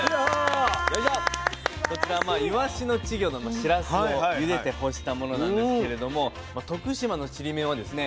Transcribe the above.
こちらまあいわしの稚魚のしらすをゆでて干したものなんですけれども徳島のちりめんはですね